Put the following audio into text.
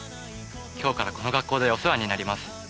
今日からこの学校でお世話になります。